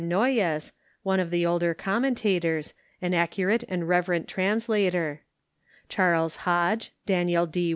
Noyes, one of the older commentators, an accurate and reverent trans lator ; Charles Hodge, Daniel D.